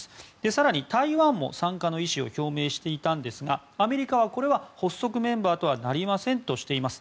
更に台湾も参加の意思を表明していたんですがアメリカはこれは発足メンバーとはなりませんとしています。